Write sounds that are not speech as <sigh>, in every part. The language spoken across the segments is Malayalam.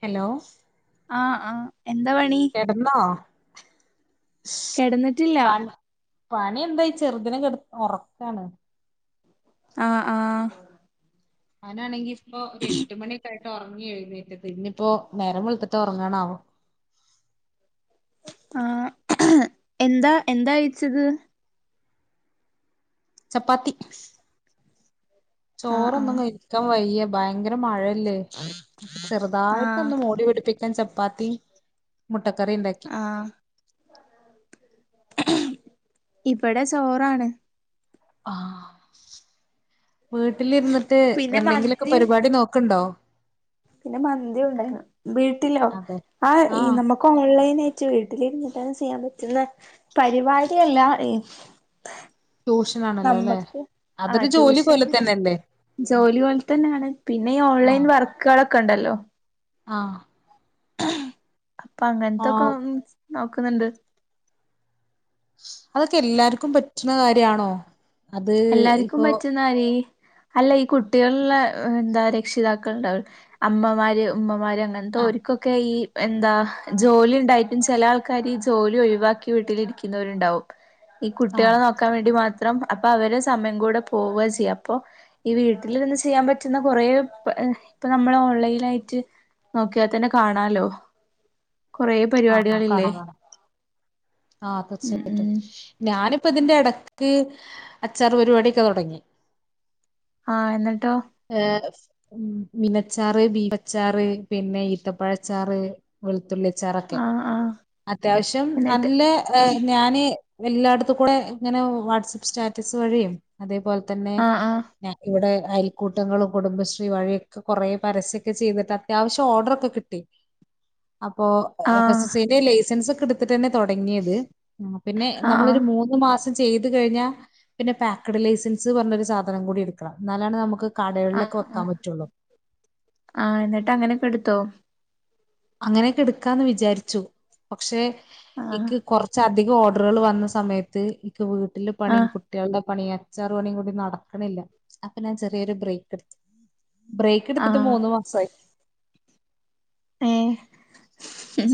ഹലോ ആഹ ആഹ കേട്ടന്നോ കിടന്നിട്ടില്ല പണി പണി എന്താ ചെറുദിന കെ ഉറക്കാണ് ആഹ ആഹ ആണെങ്കി ഇപ്പൊ എട്ട് മണിയൊക്കെ ആയിട്ട് ഒറങ്ങിയെഴു ന്നേറ്റിട്ട് ന്നിപ്പോ നേരം വെൾത്തിട്ട് ഉറങ്ങാ ണാവോ ആ എന്താ എന്താഴിച്ചത് ചപ്പാത്തി ആഹ് ചോറൊന്നും ആഹ് കഴിക്കാൻ വയ്യ ഭയങ്കര മഴ യല്ലേ ആഹ് ചെറുതായിട്ടൊന്ന് മൂടി പിടിപ്പിക്കാൻ ചപ്പാത്തിമു മുട്ടക്കറി ഉണ്ടാക്കി ആഹ് ഇവിടെ ചോറാണ് ആഹ് വീട്ടിലിരുന്നിട്ട് പിന്നെ എന്തെങ്കിലൊക്കെ മന്തിയും പരിപാടി നോക്ക്ണ്ടോ പിന്നെ മന്തി ഉണ്ടായിരുന്നു വീട്ടിലോ അതെ ആ ആഹ് നമുക്ക് ഓൺലൈനായിട്ട് വീട്ടിലിര്ന്ന് പെട്ടെന്ന് ചെയ്യാൻ പറ്റുന്ന പരിപാടി അല്ല ട്യൂഷനാണല്ലോ അല്ലെ നമ്മക്ക് ആ അതൊരു ജോലി പോലെ ട്യൂഷന് തന്നെയല്ലേ ജോലി പോലെ തന്നെയാണ് പിന്നെ ഈ ഓൺലൈൻ വർക്കുകളൊക്കെണ്ടല്ലോ ആഹ അപ്പൊ അങ്ങൻത്തൊക്കെ നോക്ക്ണ് ണ്ട് അതൊക്കെ എല്ലാർക്കും പറ്റുന്ന കാര്യണോ എല്ലാർക്കും പറ്റുന്നാര്യ അല്ല ഈ കുട്ടികളുള്ള എന്താ രക്ഷിതാക്കൾ ണ്ടാവൂലെ അമ്മമാര് ഉമ്മമാര് അങ്ങൻ ന്തോ ആഹ് ർക്കൊക്കെ ഈ എന്താ ജോലി ഉണ്ടായിട്ടും ചിലാൾക്കാര് ജോലി ഒഴിവാക്കി വീട്ടിലിരിക്കുന്നവരുണ്ടാവും ഈ ആഹ് കുട്ടികളെ നോക്കാൻ വേണ്ടി മാത്രംഅ അപ്പൊ അവരെ സമയം കൂടെ പോവാ ചെയ്യാ. അപ്പൊ ഈ വീട്ടിലിര്ന്ന് ചെയ്യാൻ പറ്റുന്ന കൊറേ ഇപ്പൊ നമ്മൾ ഓൺലൈൻ ആയിട്ട് നോക്കിയാൽ തന്നെ കാണാലോ കൊറെ പരിപാടികൾഇല്ലേ ആഹ തീർച്ചയായിട്ടും ഞാനിപ്പ ഇതിന്റെ ഇടക്ക് ക്ക് അച്ചാറ് പരിപാടിയൊ ക്കെ തുടങ്ങി ആഎന്നിട്ടോ മ് മീ നച്ചാറ് ബീഫച്ചാറ് പിന്നെ ഈത്തപ്പഴച്ചാറ് വെള്ളത്തുള്ളി ച്ചാറൊക്കെ ആഹ് ആഹ് അത്യാവശ്യം എന്നിട്ട് നല്ല ഞാന് എല്ലായിടത്തും കൂടെ ഇങ്ങനെ വാട്സആപ്പ് സ്റ്റാറ്റസ് വഴിയും അതേപോലെ തന്നെ ആഹ് ആഹ് ഞാൻ ഇവിടെ അയൽക്കൂട്ടങ്ങളും കുടുംബശ്രീ വഴിയൊക്കെ കുറേ പരസ്യൊക്കെ ചെയ്തിട്ട് അത്യാവശ്യം ഓർഡറൊക്കെ കിട്ടി അപ്പൊ എഫ് എസ് ആഹ് എസ് സിന്റെ ലൈസൻസ് ഒക്കെ എടുത്തിട്ടെന്നെ തുടങ്ങിയത് ആ പിന്നെ ആഹ് ആഹ് നമ്മളൊരു മൂന്ന് മാസം ചെയ്ത് കഴിഞ്ഞാൽ പിന്നെ പാക്കഡ് ലൈസൻസ് പറഞ്ഞ ഒരു സാധനം കൂടി എടുക്കണം എന്നാലാണ് നമുക്ക് കടകളിലൊക്കെ ആഹ് വെക്കാൻ ആഹ് പറ്റുള്ളൂ ആഹ് എന്നിട്ട് അങ്ങനെയൊക്കെ എടുത്തോ അങ്ങനെയൊക്കെ എടുക്കാന്ന് വിചാരി ച്ചു പക്ഷെ ആഹ് ഇക്ക് കൊറച്ചധി ധികം ഓർഡറുകൾ വന്ന സമയത്ത് ഇക്ക് വീട്ടിലെ പണിം ആഹ് കുട്ട്യാളുടെ പണി അച്ചാറ് പണിയും കൂടി നടക്കണില്ല അപ്പൊ ഞാൻ ചെറിയൊരു ബ്രേക്ക് എടുത്ത് ബ്രേക്ക് എടുത്തിട്ട് ആഹ് മൂന്ന് മാസായി ഹ ഉം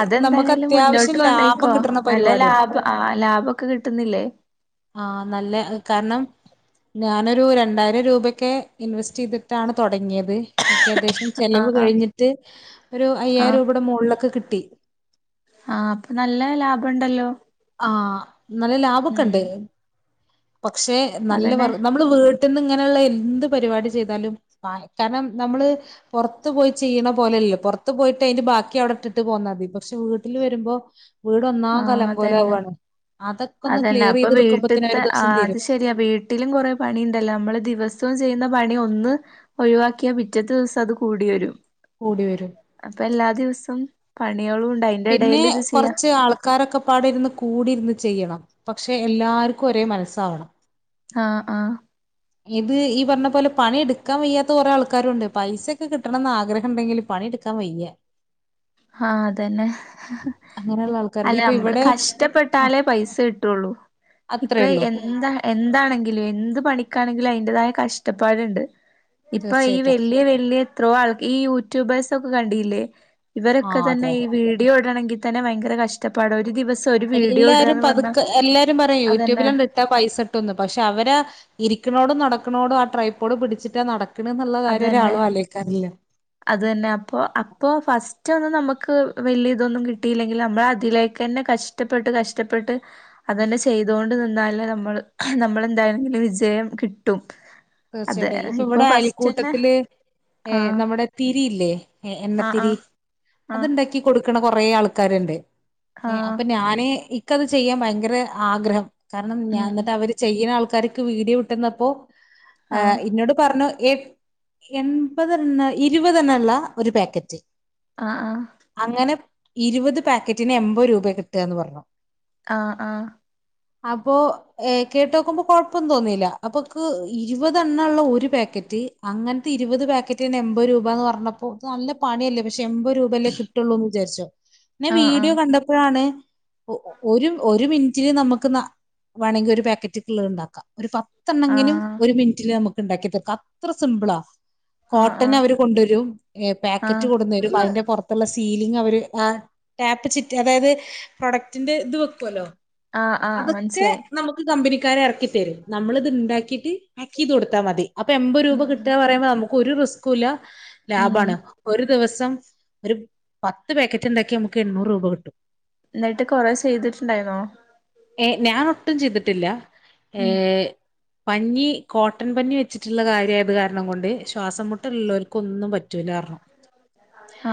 അതെന്തായേ ലും മുന്നോട്ട് ലാഭം കൊണ്ടോയിക്കോ കിട്ടണ നല്ല പരിപാടിയാണ്. ലാഭം ആ ലാഭൊക്കെ കിട്ടുന്നില്ലേ ഏ ആഹ നല്ല കാരണം ഞാനൊരു രണ്ടായിരം രൂപൊക്കെ ഇൻവെസ്റ്റെയ്തിട്ടാണ് തുടങ്ങിയത് നിക്കേകദേശം ആഹ് ചെലവ് ആഹ് കഴിഞ്ഞിട്ട് ഒരു അയ്യായിരം രൂപയുടെ മോളിലൊക്കെ കിട്ടി ആഹ അപ്പൊ നല്ല ലാഭം ണ്ടല്ലോ ആഹ നല്ല ലാഭൊക്കെണ്ട് പക്ഷെ നല്ല അതന്നെ വർ നമ്മള് വീട് ത്ത്ന്നിങ്ങനെള്ള എന്ത് പരിപാടി ചെയ്താലും കാ കാരണം നമ്മള് പൊറത്ത് പോയി ചെയ്യണ പോലെ ഇല്ല. പോർത്ത് പോയിട്ട് അയ്ന്റെ ബാക്കി അവടെ ഇട്ട്ട്ട് പോന്നാ തി പക്ഷെ വീട്ടില് വെരുമ്പോ വീട് ആഹ് ഒന്നാങ്കല അതന്നെ കോലാവണ്. അതന്നെ അപ്പൊ വീട്ട്ത്തെ ആ ദിവസം അത് തീരും ശരിയാ വീട്ടിലും കൊറെ പണിണ്ടല്ലോ നമ്മള് ദിവസവും ചെയ്യുന്ന പണി ഒന്ന് ഒഴിവാക്കിയാ പിറ്റത്തെ ദിവസം അത് കൂടി വരും കൂടി വരും അപ്പൊ എല്ലാ ദിവസവും പണികളുണ്ട് അയിന്റെ പിന്നെ എടേല് ഇത് ചെയ്യാ കുറച്ച് ആൾക്കാ കാരൊക്കെപ്പാടെ ഇരുന്ന് കൂടി ഇരുന്ന് ചെയ്യണം പക്ഷെ എല്ലാർക്കും ഒരേ മനസ്സാവണം ആഹ് ആഹ് ഇത് ഈ പറഞ്ഞ പോലെ പണി എടുക്കാൻ വയ്യാത്ത കുറെ ആൾക്കാരുണ്ട് പൈസൊക്കെ കിട്ടണംന്ന് ആഗ്രഹം ഇണ്ടെങ്കിൽ പണി എടുക്കാൻ വയ്യ ആഹ് അതന്നെ അങ്ങനെയുള്ള ആൾക്കാര് അല്ല ഇപ്പൊ നമ്മള് ഇവിടെ കഷ്ടപ്പെട്ടാലേ പൈസ കിട്ടുള്ളൂ അത്രേ ഇപ്പ ഉള്ളൂ എന്താ എന്താണെങ്കിലും എന്ത് പണി ആണെങ്കിൽ അതിന്റെതായ കഷ്ടപ്പാടുണ്ട് ഇപ്പൊ ഈ തീർച്ചയായിട്ടും വലിയ വലിയ ഇത്രോ ആൾ ഈ യൂട്യൂബേഴ്സ് ഒക്കെ കണ്ടില്ലേ ഇവരൊക്കെ ആഹ് അതെ തന്നെ ഈ അതെ വീഡിയോ ഇടണെങ്കി തന്നെ ഭയങ്കര കഷ്ടപാടാ ഒരു ദിവസം ഒരു വീഡിയോ എല്ലാരും ഇടുകാന്ന് പറഞ്ഞാ പതുക്കെ എല്ലാരും പറയും അതന്നെ യൂട്യൂബിലണ്ട് ഇട്ടാ പൈസ കിട്ടുന്ന് പക്ഷെ അവരെ ഇ ക്കിണോടും നടക്കിണോടും ആ ട്രൈപർഡ് പിടിച്ചിട്ടാ നടക്കണ എന്നുള്ള കാര്യം അതന്നെ ഒരാളും അലോയ്ക്കാറില്ല അത് തന്നെ അപ്പൊ അപ്പൊ ഫസ്റ്റ് നമക്ക് വല്യ ഇതൊന്നും കിട്ടിയില്ലെങ്കിൽ നമ്മൾ അതിലേക്ക് തന്നെ കഷ്ടപ്പെട്ട് കഷ്ടപ്പെട്ട് അതന്നെ ചെയ്തോണ്ട് നിന്നാല് നമ്മള് നമ്മളെന്തായാലും വിജയം കിട്ടും അതെ തീർച്ചയായിട്ടും ഇപ്പൊ ഇവിടെ ഫസ്റ്റ് തന്നെ അയൽക്കൂട്ടത്തില് ആഹ് നമ്മുടെ തിരിയില്ലേ ആഹ് എണ്ണത്തിരി ആഹ് ആഹ് അത്ണ്ടാക്കി കൊടുക്കണ കൊറെ ആൾക്കാരുണ്ട് ഏഹ് ആഹ് അപ്പൊ ഞാന് ഇക്കത് ചെയ്യാൻ ഭയങ്കര ആഗ്രഹം കാരണം ഞാൻ ഉം ഉം എന്നിട്ട് അവര് ചെയ്യുന്ന ആൾക്കാർക്ക് വീഡിയോ ഇട്ടന്നപ്പോ ആ ആഹ് ഇന്നോട് പറഞ്ഞു എ എൺപത് എണ്ണ ഇരുപതെണ്ണ ഉള്ള ഒരു പാക്കറ്റ് ആഹ് ആഹ് അങ്ങനെ ഇരുപത് പാക്കറ്റിന് എൻപത് രൂപ കിട്ടുവാന്ന് പറഞ്ഞു ആഹ് ആഹ് അപ്പൊ കേട്ട് നോക്കുമ്പോ കൊഴപ്പൊന്നും തോന്നില്ല അപ്പൊക്ക് ഇ ഇരുപതെണ്ണള്ള ഒരു പാക്കറ്റ് അങ്ങനത്തെ ഇരുപത് പാക്കറ്റ്ന്ന് എൺപത് രൂപന്ന് പറഞ്ഞപ്പോ നല്ല പണിയല്ലേ എമ്പത് രൂപയല്ലേ കിട്ടുള്ളൂ എന്ന് വിചാരിച്ചോ പിന്നെ വീഡിയോ ആഹ് കണ്ടപ്പോഴാണ് ഒരു ഒരു മിനിറ്റിന് നമുക്ക് വേണമെങ്കിൽ ഒരു പാക്കറ്റ്ക്ക്ള്ളത് ഉണ്ടാക്കാം ഒരു ആഹ് പത്തെണ്ണങ്കിലും ആഹ് ഒരു മിനിറ്റില് നമുക്ക് ഉണ്ടാക്കി തീർക്കാം അത്ര സിംപിളാ ആഹ് കോട്ടൺ ആഹ് അവര് കൊണ്ടുവരും പാക്കറ്റ് ആഹ് കൊടുന്ന് വരും അതിന്റെ പുറത് അത്തുള്ള സീലിംഗ് അവര് ടാപ്പ് ചിറ്റ് അതായത് പ്രൊഡക്റ്റിന്റെ ഇത് വെക്കുവല്ലോ ആഹ് ആഹ് അതൊക്കെ മനസ്സിലായി നമുക്ക് കമ്പനി ഇറക്കിത്തരും നമ്മളത് ഇണ്ടാക്കിട്ട് പാക്ക് ചെയ്ത് കൊടുത്താ മതി അപ്പൊ എമ്പത് രൂപ ഉം കിട്ടാ പറയുമ്പോ നമുക്ക് ഒരു റിസ്കൂല്ല ഉം ലാഭാണ് ഒരു ദിവസം ഒരു പത്ത് പാക്കറ്റ് ഉണ്ടാക്കി നമുക്ക് എണ്ണൂറ് രൂപ കിട്ടും എന്നിട്ട് കൊറെ ചെയ്തിട്ടുണ്ടായിന്നോ ഏഹ് ഞാനൊട്ടും ചെയ്തിട്ടില്ല ഉം ഏഹ് പഞ്ഞി കോട്ടൺ പഞ്ഞി വെച്ചിട്ടുള്ള കാര്യമായത് കാരണം കൊണ്ട് ശ്വാസം മുട്ടുള്ളവർക്ക് ഒന്നും പറ്റൂല പറഞ്ഞു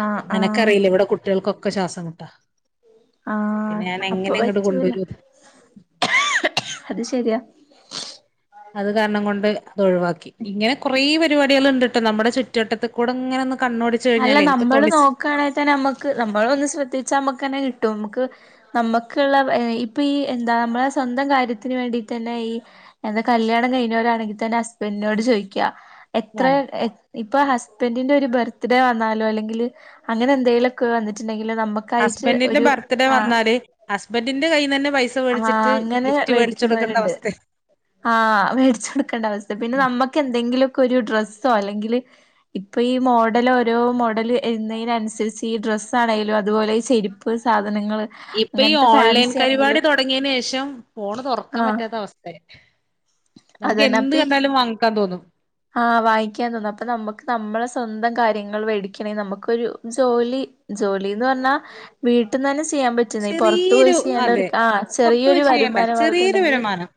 ആഹ് ആഹ് നിനക്കറിയില്ല ഇവിടെ കുട്ടികൾക്കൊക്കെ ശ്വാസം മുട്ടാ പിന്നെ ആഹ് ഞാൻ അപ്പ എങ്ങനെ ഇങ്ങോട്ട് പച്ചൂല കൊണ്ടുവരും അത് ശരിയാ അത് കാരണം കൊണ്ട് അതൊഴിവാക്കി ഇങ്ങനെ കുറേ പ പരിപാടികൾ ഇണ്ട്ട്ട നമ്മുടെ ചുറ്റുവട്ടത്തി കൂടെങ്ങനെ അല്ല നമ്മള് നോക്കുകയാണെങ്കിൽ തന്നെ നമ്മുക്ക് നമ്മൾ ഒന്ന് ശ്രദ്ധിച്ചാ നമ്മുക്ക് തന്നെ കി കിട്ടും നമക്ക് നമ്മുക്കുള്ള ഇപ്പൊ ഈ എന്താ നമ്മളെ സ്വന്തം കാര്യത്തിന് വേണ്ടി തന്നെ ഈ എന്താ കല്യാണം കഴിഞ്ഞ വരണക്കിൽ തന്നെ ഹസ്ബൻറിിനോട് ചോദിക്കുക എത്ര വേണം ഇപ്പൊ ഹസ്ബൻഡിന്റെ ഒരു ടെ വന്നാലോ അല്ലെങ്കിൽ അങ്ങന എന്തെലിലൊക്കെ വന്നിട്ടുണ്ടെങ്കിൽ ഹസ്ബന്ഡിന്റെ ബർത്ത്ഡേ വന്നാല് ഹസ്ബന്ഡിന്റെ കയ്യിൽ നി തന്നെ പൈസ ആ മേടിച്ചിട്ട് ഗിഫ്റ്റ് പിടിച്ചെടുക്കേണ്ട അവസ്ഥ ആഹ മേടിച്ചു കൊടുക്കേണ്ട അവസ്ഥ പിന്നെ നമ്മക്ക് എന്തെങ്കിലും ഒരു ഡ്രസോ അല്ലെങ്കിൽ ഇപ്പോൾ ഈ മോഡൽ മോഡൽ ഓരോ മോഡൽന്നതിനനുസരിച്ച് ഈ ഡ്രസ് ആണെങ്കലും അതുപോലെ ചെരിപ്പ് സാധനം നങ്ങള് ഇപ്പൊ ഈ അങ്ങനത്തെ ഓൺലൈൻ ഫാൻസി പരിപാടി ആണെങ്കിലും തുടങ്ങിയതിന് ശേഷം ഫോണ് തുറക്കാൻ ആഹ പറ്റാത്ത അവസ്ഥയായി നമുക്ക് എന്ത് കണ്ടാലും വാങ്ങിക്കാൻ തോന്നും ആഹ വായിക്കാൻ തോന്നുന്നു അപ്പൊ നമുക്ക് നമ്മളെ സ്വന്തം കാര്യങ്ങൾ മേടിക്കണെിൽ നമുക്കൊരു ജോലി ജോലിന്ന് പറഞ്ഞാ വീട്ടിൽന്ന് തന്നെ ചെയ്യാൻ പറ്റുന്ന പുറത്തു പോയി ചെറിയൊരു അതെ ചെയ്യേണ്ടവർക്ക് ആ പുറത്ത് പോയി ചെറിയൊരു ചെയ്യണ്ട വരുമാനമാർഗ ചെറിയൊരു ഉണ്ടെങ്കിൽ വരുമാനം.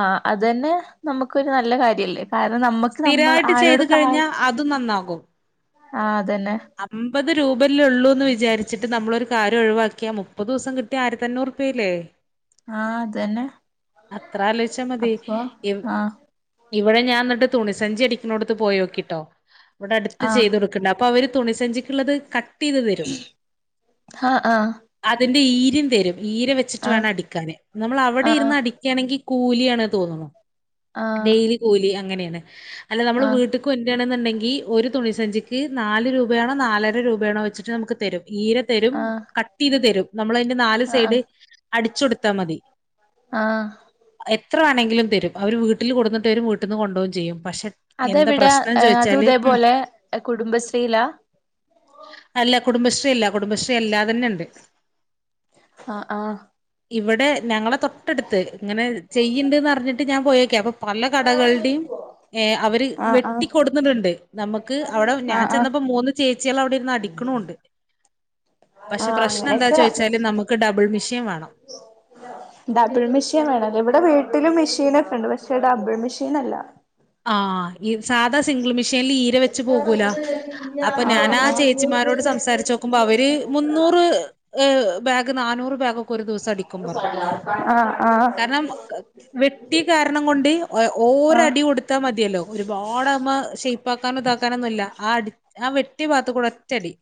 ആഹ അത്തന്നെ നമുക്കരു നല്ല കാര്യല്ലേ അ നമ്മുക്ക് നമ്മൾ സ്ഥിരായിട്ട് ചെയ്ത് ആരോടും കഴിഞ്ഞാ അതും നന്നാകും. ആ അതന്നെ അമ്പത് രൂപല്ല ഉള്ളൂന്ന് വിചാരിച്ചി ട്ട് നമ്മളൊരു കാര്യം ഒഴിവാക്കിയാ മുപ്പത് ദിവസം കിട്ടിയാൽ ആയിരത്തി അഞ്ഞൂറ്റുപല്ലേ ആഹ അതന്നെ അത്ര ആലോചിച്ചാൽ മതി അപ്പൊ ആ ഇവിടെ ഞാൻ എന്നിട്ട് തുണിസഞ്ചി അടിക്കുന്നോടത്ത് പോയി നോക്കിട്ടോ ഇവിടെ അടുത്ത് ആ ചെയ്ത് കൊടുക്കണ്ട അപ്പൊ അവര് തുണി സഞ്ചിക്കുള്ളത് ക ആഹ ആഹ എന്റെര്യും തരും ഈര വെച്ചിട്ട് വേണം അടിക്കാൻ നമ്മൾ അവിടെ ആ ഇരുന്ന് അടിക്കുകയാണെങ്കിൽ കൂലിയാണ് തോന്നണ ഡെയിലി കൂലി അങ്ങനെയാണ് അല്ല നമ്മൾ ആ വീട്ടക്ക് കൊൻണ്ടരാന്നുണ്ടെങ്കിൽ ഒരു തുണിസഞ്ചിക്ക് നാല് രൂപ രൂപയാണോ നാലായിരം രൂപയാണോ വെച്ചിട്ട് നമുക്ക് തരും ഈരെ തരും ആ ആ കട്ട് ചെയ്ത് തരും നമ്മള അതിന്റെ നാല് സൈഡ് അടിച്ചൊടുത്താ മതി ആഹ എത്ര വേണെങ്കിലും തരും അവർ വീട്ടിൽ കൊടുന്നിട്ട് വരും വീട്ടിൽന്ന് കൊണ്ടപോക ചെയ്യും പക്ഷെ എന്താ അതെവിടാ പ്രശ്നം അതും ചോയിച്ചാല് ഉ ഇതേപോലെ കുടുംബശ്രീലാ അല്ല കുടുംബശ്രീ അല്ല കുടുംബശ്രീ അല്ലാ തന്നെ ഉണ്ട് ആഹ ആഹ ഇവിടെ ഞങ്ങളെ തൊട്ടടുത്ത് ഇങ്ങനെ ചെയ്യണ്ട്ന്ന്റിഞ്ഞിട്ട് ഞാൻ പോയേക്കെ അപ്പൊ പല കടകളുടെയും അവര് ആ ആ വെട്ടിക്കൊടുത്തിട്ടുണ്ട് നമുക്ക് അവിടെ ആ ആ ചെന്നപ്പോ മൂന്ന് ചേച്ചികൾ അവിടെ ഇന്ന് അടിക്കണുണ്ട് ആ പക്ഷെ പ്രശ്നം എന്താ അങ്ങനെയൊക്കെ ചോദിച്ചാല് നമുക്ക് ഡബിള് മിഷീൻ വേണം ഡബിൾ മെഷീൻ വേണല്ലേ ഇവിടെ വീട്ടിലും മെഷീൻൊക്കെണ്ട് പക്ഷെ ഡബിൾ മെഷീൻ അല്ല ആഹ സാധാ സിംഗിൾ മെഷീനിൽ ഈര വെച്ച് പോകൂല അപ്പൊ ഞാൻ ആ ചേച്ചിമാരോട് സംസാരിച്ച നോക്കുമ്പോ അവര് മുന്നൂറ് ബാഗ് നാനൂറ് ബാഗ ഒക്കെ ഒരു ദിവസം അടിക്കും പറഞ്ഞു ആ ആ ആ കാരണം വെട്ടി കാരണം കൊണ്ട് ഓര ആ അടി കൊടു ഇ മതിയല്ലോ ഒരുപാട് അതിമ്മേ ഷെയ പാക്കാനും ഇതാക്കാനൊന്നും ഇല്ല ആ അടി ആ വെട്ടിയ ഭാഗത്തൂടെ കൂടെ ഒറ്റയടി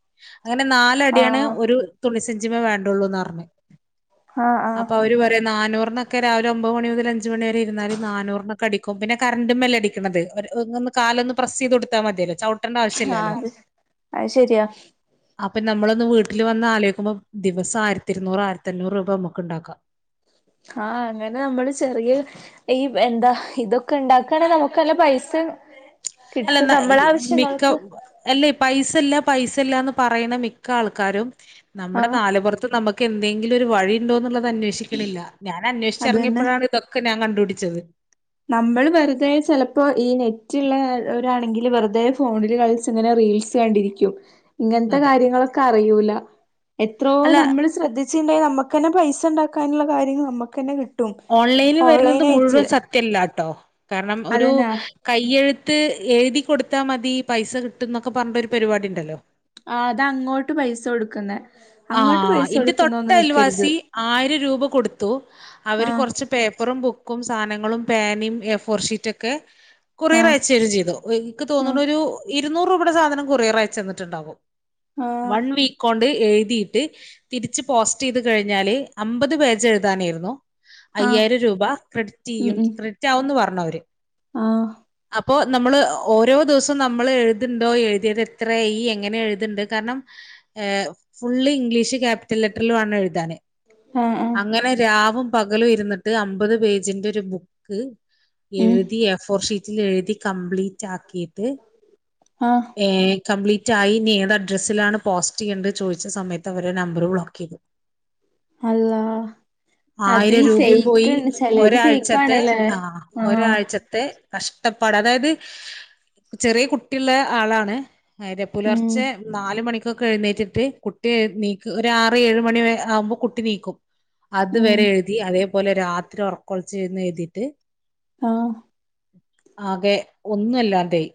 അങ്ങനെ നാലടിയാണ് ആ ഒരു തുണിസഞ്ചിമേ വേണ്ടുള്ളൂന്ന് പറഞ്ഞ ആ ആ അപ്പ അവര് പറയ നാനോ ക്കെ രാവിലെ ഒമ്പത് മണി മുതൽ അഞ്ച് മണിവരെ ഇരുന്നല് നാനൂറിനോക്കെഅടിക്കും പിന്നെ കറന്റെ കാലൊ പ്ര ചെയ്ത് കൊടുത്താൽ മതിയട്ട ആഹ അത് ശെരിയാ അപ്പൊ നമ്മളൊന്ന് വീട്ടില് വന്ന ആലോചിക്കുമ്പോ ദിവസം ആരത്തി ഇരുന്നൂറ് ആയിരത്തി അഞ്ഞൂറ് രൂപ നമുക്ക്ണ്ടാക്കാം മ്മ് ആ അങ്ങനെ നമ്മള് ചെറിയ ഈ എന്താ ഇതൊക്കെ ഉണ്ടാക്കണെ നമുക്ക് നല്ല പൈസ ആ <unintelligible> അല്ല മിക്ക അല്ല പൈസ ല്ല പൈസയില്ലാന്ന് പറയുന്ന മിക്ക ആൾക്കാരും നമ്മുടെ ആഹ് നാലപുറത്ത് നമുക്ക് എന്തെങ്കിലും ഒരു വഴിയുണ്ടോ എന്നുള്ളത് അന്വേഷിക്കണില്ല ഞാൻ അത് അന്വേഷിച്ചിറങ്ങിയപ്പോഴാണ് ഇതൊക്കെ ഞാൻ കണ്ടു പിടിച്ചത് നമ്മൾ വെറുതെ ചിലപ്പോ ഈ നെറ്റുള്ള ഒരാണെങ്കിൽ വെറുതെ ഫോണിൽ കളിച്ച് ഇങ്ങനെ റീൽസ് കണ്ടിരിക്കും ഇങ്ങനത്തെ അതെ കാര്യങ്ങളൊക്കെ അറിയൂല എത്രോ അല്ല നമ്മൾ ശ്രദ്ധിച്ച പിന്നേ നമുക്ക് തന്നെ പൈസ ഉണ്ടാക്കാനുള്ള കാര്യങ്ങൾ നമുക്ക് തന്നെ കിട്ട് ഓൺലൈനിൽ വരുന്നത് മുഴുവൻ സത്യല്ലാട്ടോ കാരണം ഒരു അതന്നെ കയ്യെഴു ത്ത് എഴുതി കൊടുത്താൽ മതി പൈസ കിട്ടും എന്നൊക്കെ പറഞ്ഞ ഒരു പരിപാടി ഉണ്ടല്ലോ ആ അത അങ്ങോട്ട് പൈസ കൊടുക്കുന്നെ ആ അങ്ങോട്ട് പൈസ എന്റെ തൊട്ട കൊടുക്കുന്നൊന്നും നിക്കരുത് അൽവാസി ആയിരം രൂപ കൊടുത്തു അവര് ആഹ് കുറച്ച് പേപ്പർ പ്പറും ബുക്കും സാധനങ്ങളും പേനേം എ ഫോർഷീറ്റ് ഒക്കെ ആഹ് കൊറിയറയച്ചു തരുകയും ചെയ്തു എനിക്ക് ആഹ് തോന്നണു ഒരു ഇരുന്നൂറ് രൂപയുടെ സാധനം കൊറിയറയച്ചു തന്നട്ടുണ്ടാകും ആഹ് വൺ വീക്ക് കൊണ്ട് എഴു ഴുതീട്ട് തിരിച്ച് പോസ്റ്റ് ചെയ്ത് കഴിഞ്ഞാല് അമ്പത് പേജ് എഴുതാനായിരുന്നു ആഹ് അയ്യായിരം രൂപ ക്രെഡിറ്റ് ചെയ്യും ക്രെഡിറ്റാവുമെന്ന് പറഞ്ഞവര് ആ അപ്പൊ നമ്മള് ഓരോ ദിവസവും നമ്മൾ എഴുതിണ്ടോ എഴുതിയത് എത്രയ എങ്ങനെ എഴുതിണ്ട് കാരണം ഏ ഫുൾ ഇംഗ്ലീഷ് ക്യാപിറ്റൽ ലെറ്ററിൽ വേണം എഴുതാൻ ആഹ് ആഹ് അങ്ങനെ രാവും പകലും ഇരുന്നിട്ട് അമ്പത് പേജിന്റെ ഒരു ബുക്ക് ഉം എഴുതി എ ഫോർ ഷീറ്റ് എഴുതി കംപ്ലീറ്റ് ആക്കിട്ട് ആഹ് ഏ കംപ്ലീറ്റ് ആയി ഇനി ഏത് അഡ്രസ്സിലാണ് പോസ്റ്റ് ചെയ്യേണ്ടത് ചോദിച്ച സമയത്ത് അവര് നമ്പർ ബ്ലോക്ക് ചെയ്തു അള്ളാ അത് ആയിരം ഈ രൂപയും പോയി ഫേക്ക്ണ്ട് ചെലേത് ഒരാഴ്ചത്തെ ഫേക്കാണ്ല്ലേ ആ ആഹ് ഒരാഴ്ചത്തെ കഷ്ടപ്പാട് അതായത് ചെറിയ കുട്ടിയുള്ള ആളാണ് ഉം പുലർച്ചെ നാല് മണിക്കൊക്കെ എഴുന്നേറ്റ് കുട്ടി നീക്ക ഒരു ആറ് ഏഴ് മണി ആവുമ്പോ കുട്ടി നീക്കും ഉം അതുവരെ എഴുതി അതേപോലെ രാത്രി ഉറക്കം ഉളച്ചിരുന്ന് എഴുതിയിട്ട് ആ ആകെ ഒന്നുമല്ലാതായ്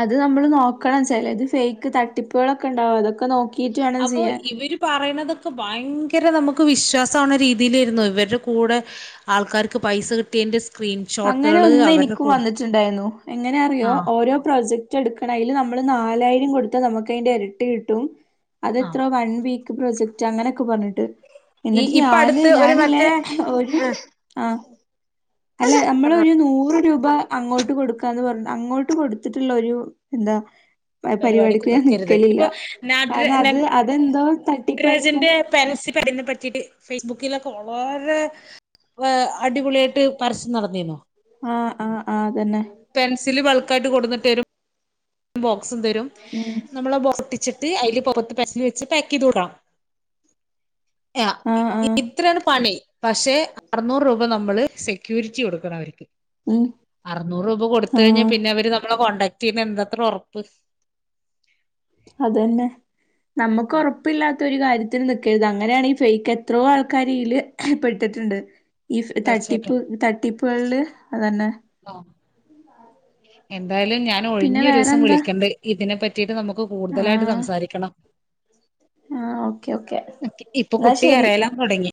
അത് നമ്മള് നോക്കണം ചിലത് ഫേക്ക് തട്ടിപ്പുകളൊക്കെ ഉണ്ടാവും അതൊക്കെ നോക്കി അപ്പൊ ഇവര് പറയണ അതൊക്കെ ഭയങ്കര നമുക്ക് വിശ്വാസാവണ രീതിയിലായിരുന്നു ഇവരുടെ കൂടെ ആൾക്കാർക്ക് പൈസ കിട്ടിയിട്ടുണ്ട് അങ്ങനെ ഒന്ന് എനിക്കും വന്നിട്ടുണ്ടായിരുന്നു എങ്ങന അറിയോ ആ ഓരോ പ്രോജക്ട് എടുക്കണതില് നമ്മള് നാലായിരം കൊടുത്താൽ നമുക്ക് അതിന്റെ ഇരട്ടി കിട്ടും അത് ആ എത്ര വൺ വീക്ക് പ്രൊജക്റ്റ് അങ്ങനെയൊക്കെ പറഞ്ഞിട്ട് ഈ എന്നിട്ട് ഇപ്പ ഞാന് അടുത്ത് ഒരു ഞാനില്ലേ മറ്റേ ഒരു ആ ആ അല്ല നമ്മള് ഒരു നൂറ് രൂപ ഇപ്പ അങ്ങോട്ട് കൊടുക്കാന്ന് പറഞ്ഞു അങ്ങോട്ട് കൊടുത്തിട്ടുള്ള ഒരു എന്താ പരിപാടിക്ക് ഞാൻ നിക്കരുത് നിക്കലില്ല ഇപ്പൊ കാരണം അത് അതെന്തോ തട്ടിപ്പായിക്കും പരാജന്റെ പരൻസി പഠയിനെ പറ്റിട്ട് ഫേസ്ബുക്കിലൊക്കെ വളരെ <unintelligible> അടിപൊളിയായിട്ട് പരസ്യം നടന്നിന്നോ ആ ആ ആ അതന്നെ യിട്ട് കൊടുട്ടരും ബോക്സും തരും ഉം നമ്മൾ ആ ട്ടിച്ചിട്ട് അതില് പുറത്ത് പശ വെച്ച് പാക്ക് ചെയ്ത് വിടാം ആ ആഹ് ആഹ് ഇത്രയാണ് പണി പക്ഷെ അറുനൂറ് രൂപ നമ്മള് സ സെക്യൂരിറ്റി കൊടുക്കണം അവർക്ക് ഉം അറുന്നൂറ് രൂപ കൊടുത്ത് കഴിഞ്ഞാൽ ആഹ് പിന്നെ അവര് നമ്മളെ കോണ്ടാക്ട് ചെയ്യുമെന്ന് എന്താ അത്ര ഉറപ്പ അതന്നെ നമ്മുക്ക് ഉറപ്പില്ലാ ത്തൊരു കാര്യത്തിന് നിക്കരുത് അങ്ങനെയാണ് ഈ ഫെയ്ക്ക് എത്രോ ആൾകാരീൽ പെട്ടിട്ടുണ്ട്. ഈ തീർച്ചയായിട്ടും തട്ടിപ്പ് തട്ടിപ്പ്കൾല് അതന്നെ. ആ എന്തായാലും ഞാൻ പിന്നെ ഒഴിഞ്ഞൊരൂസം വേറെന്താ വിളിക്കണ്ട്. ഇതിനെ പറ്റീട്ട് നമുക്ക് കൂടുതലായിട്ട് ആഹ് സംസാരിക്കണം. ആഹ് ഓക്കെ ഓക്കെ ക്കെ ഇപ്പൊ എന്നാ കുട്ടി ശരി കരയലാം തൊടങ്ങി.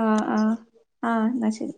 ആഹ് ആഹ് ആഹ് ന്നാ ശരി.